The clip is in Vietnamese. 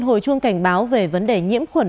hồi chuông cảnh báo về vấn đề nhiễm khuẩn